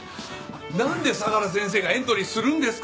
なんで相良先生がエントリーするんですか！